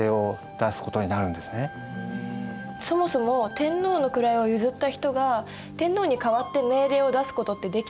そもそも天皇の位を譲った人が天皇に代わって命令を出すことってできたんですか？